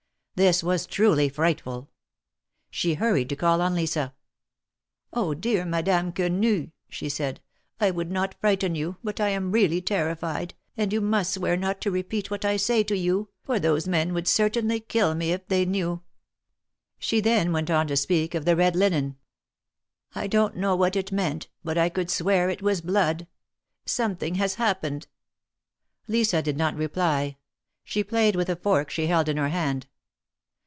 This was truly frightful. She hurried to call on Lisa. Oh, dear Madame Quenu," she said. " I would not frighten you, but I am really terrified, and you must swear not to repeat what I say to you, for those men would certainly kill me if they knew." She then went on to speak of the red linen. I don't know what it meant, but I could swear it was blood. Something has happened." Lisa did not reply. She played with a fork she held in her hand.